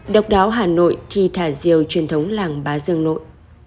độc đáo hà nội thì thả diều truyền thống làng bá dương nội